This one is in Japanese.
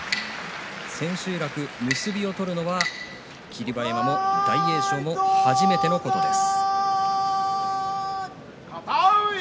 千秋楽、結びを取るのは霧馬山も、大栄翔も初めてのことです。